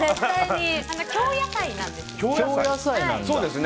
京野菜なんです。